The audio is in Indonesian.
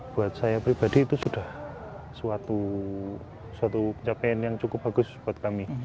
buat saya pribadi itu sudah suatu pencapaian yang cukup bagus buat kami